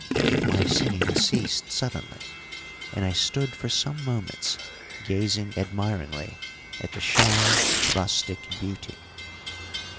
My singing ceased suddenly, and I stood for some moments gazing admiringly at the shy, rustic beauty.